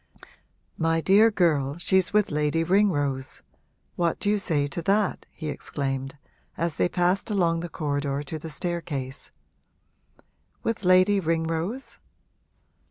'My dear girl, she's with Lady Ringrose what do you say to that?' he exclaimed, as they passed along the corridor to the staircase. 'With Lady Ringrose?'